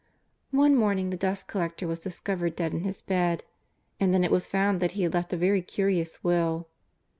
One morning the dust collector was discovered dead in his bed, and then it was found that he had left a very curious will.